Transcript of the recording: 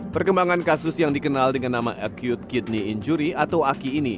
perkembangan kasus yang dikenal dengan nama acute kidney injury atau aki ini